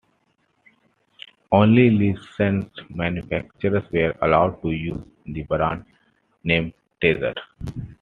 Only licensed manufacturers were allowed to use the brand name "Tessar".